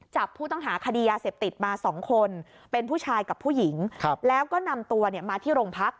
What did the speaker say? จับผู้ต้องหาคดียาเสพติดมา๒คนเป็นผู้ชายกับผู้หญิงแล้วก็นำตัวมาที่โรงพัก